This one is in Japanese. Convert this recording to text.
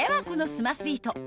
このスマスビート